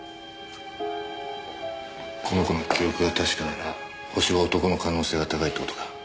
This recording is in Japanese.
この子の記憶が確かならホシは男の可能性が高いって事か。